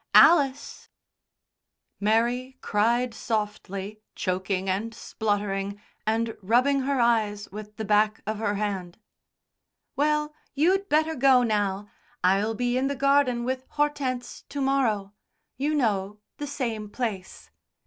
Alice " Mary cried softly, choking and spluttering and rubbing her eyes with the back of her hand. "Well, you'd better go now. I'll be in the garden with Hortense to morrow. You know, the same place.